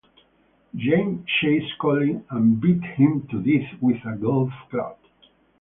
Jamie chased Coyle and beat him to death with a golf club.